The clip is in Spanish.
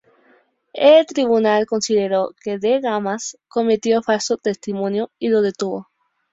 El Tribunal consideró que De Gamas cometió falso testimonio y lo detuvo.